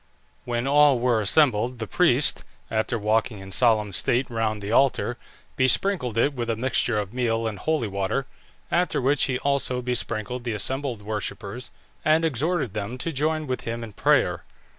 When all were assembled, the priest, after walking in solemn state round the altar, besprinkled it with a mixture of meal and holy water, after which he also besprinkled the assembled worshippers, and exhorted them to join with him in prayer.